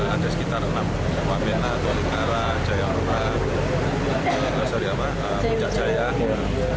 ada sekitar enam wamena tolingkara jaya orang perah puncak jaya dan lain lain